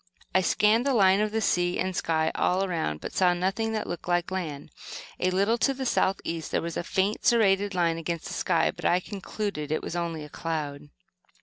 I scanned the line of sea and sky all around, but saw nothing that looked like land. A little to the south east there was a faint, serrated line against the sky, but I concluded that it was only a cloud.